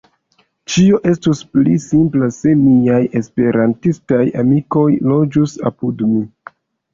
Ĉio estus pli simpla se miaj Esperantistaj amikoj loĝus apud mi.